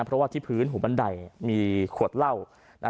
เพราะว่าที่พื้นหูบันไดมีขวดเหล้านะฮะ